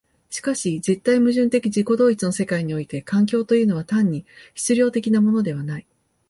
しかし絶対矛盾的自己同一の世界において環境というのは単に質料的なものではない。